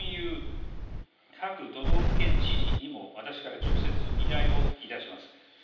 各都道府県知事にも直接、私から依頼をいたします。